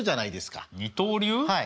はい。